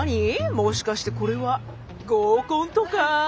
もしかしてこれは合コンとか？